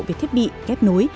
về thiết bị kép nối